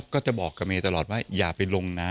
ก็จะบอกกับเมย์ตลอดว่าอย่าไปลงนะ